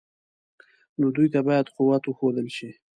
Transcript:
نو دوی ته باید قوت وښودل شي.